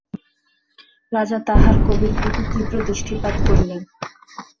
রাজা তাঁহার কবির প্রতি তীব্র দৃষ্টিপাত করিলেন।